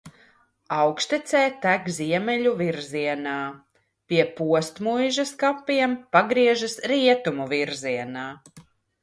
Augštecē tek ziemeļu virzienā, pie Postmuižas kapiem pagriežas rietumu virzienā.